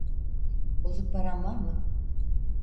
Bozuk paran var mı?